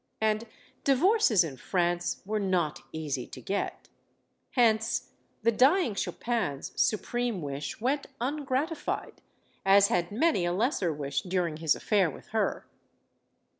And divorces in France, were not easy to get. Hence, the dying Chopin's supreme wish went ungratified; as had many a lesser wish during his affair with her.